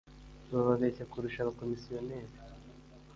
babeshya kurusha abacomisiyoneri”